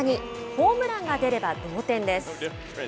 ホームランが出れば同点です。